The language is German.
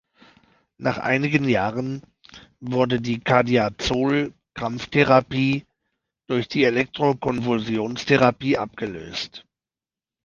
Nach einigen Jahren wurde die Cardiazol-Krampf-Therapie durch die Elektro-Konvulsions-Therapie abgelöst.